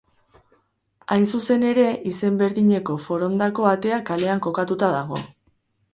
Hain zuzen ere, izen berdineko Forondako atea kalean kokatua dago.